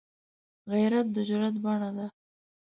غیرت د جرئت بڼه ده